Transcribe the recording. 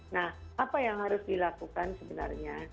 nah apa yang harus dilakukan sebenarnya